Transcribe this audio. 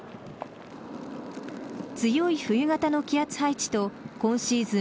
強い冬型の気圧配置と今シーズン